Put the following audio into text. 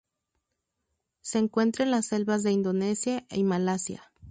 Se encuentra en las selvas de Indonesia y Malasia.